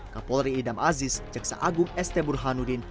kapolri idam aziz ceksa agung este burhanuddin